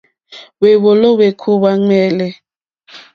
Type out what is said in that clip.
Hwéwòló hwékúwà ɱwɛ̂lɛ̂.